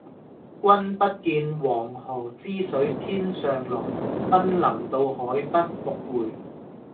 君不見，黃河之水天上來，奔流到海不復回。